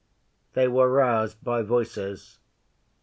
They were roused by voices.